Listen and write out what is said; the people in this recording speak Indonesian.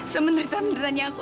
semenerita meneritanya aku